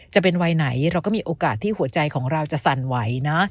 จะเป็นวัยไหนเราก็มีโอกาสที่หัวใจของเราจะสั่นไหวนะ